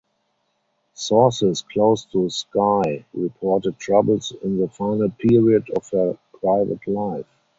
Sources close to Skye reported troubles in the final period of her private life.